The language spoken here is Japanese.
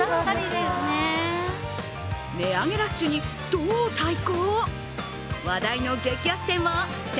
値上げラッシュにどう対抗？